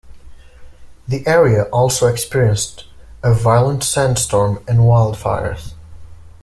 The area also experienced a violent sand storm and wildfires.